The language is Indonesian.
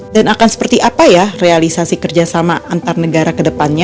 dan akan seperti apa ya realisasi kerjasama antar negara kedepannya